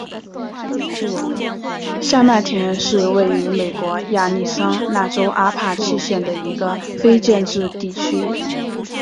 下麦田是位于美国亚利桑那州阿帕契县的一个非建制地区。